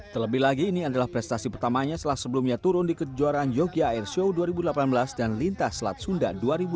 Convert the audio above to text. terlebih lagi ini adalah prestasi pertamanya setelah sebelumnya turun di kejuaraan yogyakarta airshow dua ribu delapan belas dan lintas selat sunda dua ribu delapan belas